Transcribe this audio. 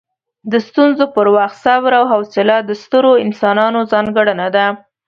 د ستونزو پر وخت صبر او حوصله د سترو انسانانو ځانګړنه ده.